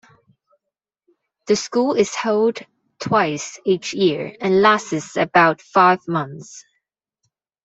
The school is held twice each year and lasts about five months.